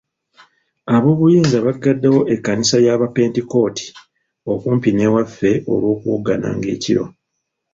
Ab'obunyinza bagaddewo ekkanisa y'abapentekooti okumpi n'ewaffe olw'okuwoggananga ekiro.